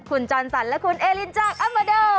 คุณจรสันด์และคุณเอลินจากอัมเมอเดิร์